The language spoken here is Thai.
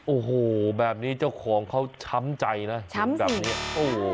โอ้โหแบบนี้เจ้าของเขาช้ำใจนะช้ำสิโอ้โห